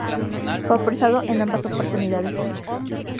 Fue apresado en ambas oportunidades.